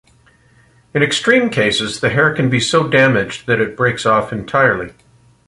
In extreme cases, the hair can be so damaged that it breaks off entirely.